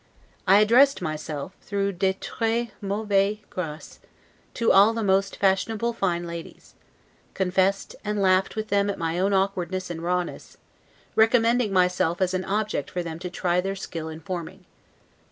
I addressed myself, though 'de tres mauvaise grace', to all the most fashionable fine ladies; confessed, and laughed with them at my own awkwardness and rawness, recommending myself as an object for them to try their skill in forming.